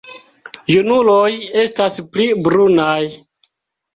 Junuloj estas pli brunaj.